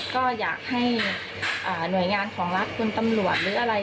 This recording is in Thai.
ก็อยากให้หน่วยงานของรัฐคุณตำรวจหรืออะไร